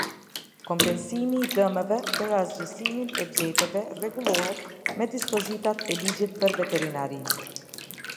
Kompensimi i dëmeve për asgjësimin e bletëve rregullohet me dispozitat e Ligjit për veterinarinë.